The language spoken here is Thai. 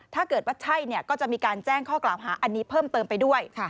ถ้าเกิดว่าใช่ก็จะมีการแจ้งข้อกล่าวหาอันนี้เพิ่มเติมไปด้วย